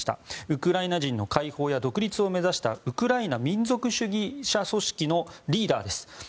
ウクライナ人の解放や独立を目指したウクライナ民族主義者組織のリーダーです。